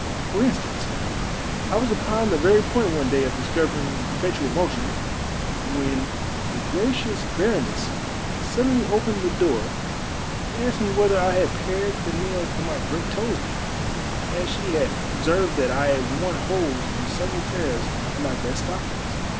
For instanee, I was upon the very point one day of discovering per petual motion, when the gracious baroness suddenly opened the door and asked me whether I had pared the nails of my great toes lately, as she had obs.erved that I had worn holes in several pairs of my best stockings.